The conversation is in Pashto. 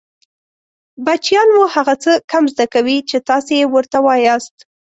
بچیان مو هغه څه کم زده کوي چې تاسې يې ورته وایاست